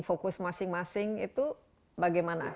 fokus masing masing itu bagaimana